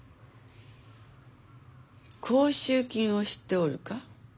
甲州金を知っておるか？